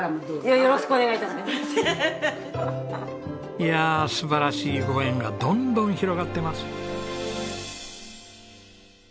いやあ素晴らしいご縁がどんどん広がっています。